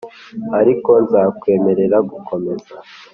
ariko nzakwemerera gukomeza.